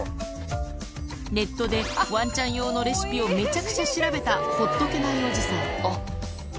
ネットでわんちゃん用のレシピをめちゃくちゃ調べたほっとけないおじさん。